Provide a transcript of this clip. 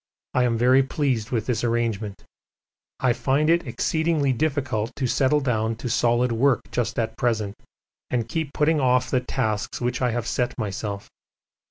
I am very pleased with this arrangement. I find it exceedingly difficult to settle down to solid work just at present and keep putting off the tasks which I have set myself.